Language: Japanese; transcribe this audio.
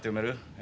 え？